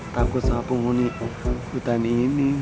takut sama penghuni hutan ini